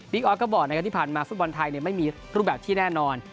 ออสก็บอกนะครับที่ผ่านมาฟุตบอลไทยไม่มีรูปแบบที่แน่นอน